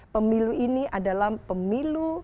pemilu ini adalah pemilu